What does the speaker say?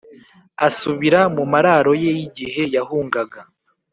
asubira mu mararo ye y'igihe yahungaga